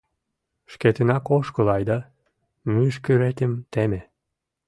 Шкетынак ошкыл айда, мӱшкыретым теме...